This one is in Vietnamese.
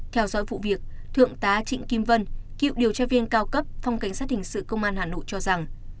theo dõi vụ việc thượng tá trịnh kim vân cựu điều tra viên cao cấp phòng cảnh sát hình sự công an hà nội cho rằng